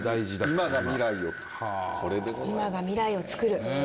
今が未来をつくる。